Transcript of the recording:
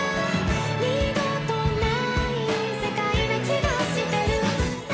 「二度とない世界な気がしてる」